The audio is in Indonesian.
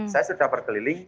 saya sudah berkeliling